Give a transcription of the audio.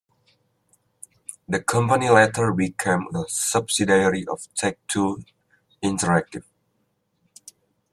The company later became a subsidiary of Take-Two Interactive.